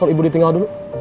nanti ibu ditinggal dulu